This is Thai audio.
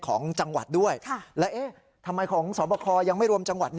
ของจังหวัดด้วยแล้วเอ๊ะทำไมของสอบคอยังไม่รวมจังหวัด